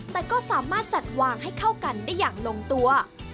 แต่ก็สามารถจัดวางให้เข้ากันได้อย่างลงตัว